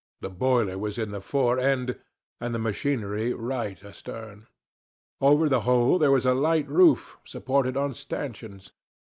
The boiler was in the fore end, and the machinery right astern. Over the whole there was a light roof, supported on stanchions.